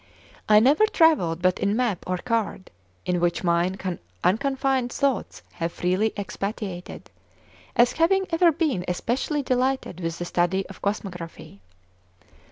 I never travelled but in map or card, in which mine unconfined thoughts have freely expatiated, as having ever been especially delighted with the study of Cosmography.